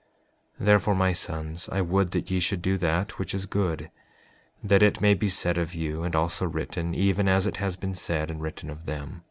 5:7 Therefore, my sons, I would that ye should do that which is good, that it may be said of you, and also written, even as it has been said and written of them.